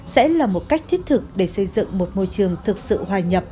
sẽ là một cách thiết thực để xây dựng một môi trường thực sự hòa nhập